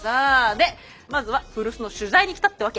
でまずは古巣の取材に来たってわけ。